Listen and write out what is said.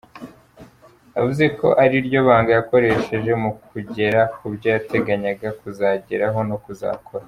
Yavuze ko ari ryo banga yakoresheje mu kugera ku byo yateganyaga kuzageraho no kuzakora.